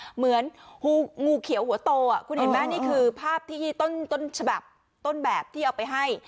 เหมือนงูเขียวหัวโตคุณเห็นไหมนี่คือภาพที่ต้นฉบับต้นแบบที่เอาไปให้